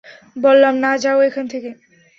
বললাম না যাও এখান থেকে।